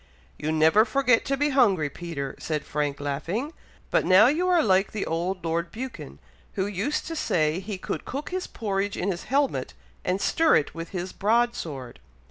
"You never forget to be hungry, Peter," said Frank, laughing. "But now you are like the old Lord Buchan, who used to say he could cook his porridge in his helmet, and stir it with his broad sword."